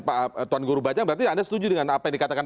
pak tuan guru bajang berarti anda setuju dengan apa yang dikatakan